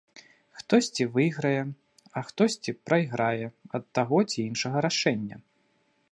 Хтосьці выйграе, а хтосьці прайграе ад таго ці іншага рашэння.